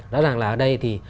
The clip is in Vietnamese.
đó rằng là ở đây thì